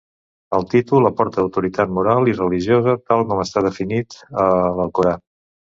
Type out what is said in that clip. El títol aporta autoritat moral i religiosa tal com està definit a l'Alcorà.